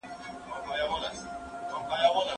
دوی د پخوا راهیسې توکي تولیدوي.